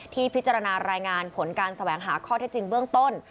พิจารณารายงานผลการแสวงหาข้อเท็จจริงเบื้องต้น